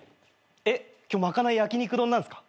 えっ今日賄い焼き肉丼なんすか？